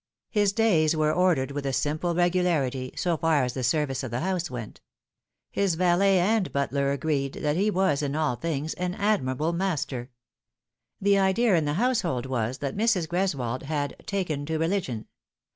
His days were ordered with a simple regularity, so far as the service of the house went. His valet and butler agreed that he was in all things an admirable master. The idea in the household was that Mrs. Greswold had " taken to religion."